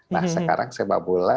nah sekarang sepak bola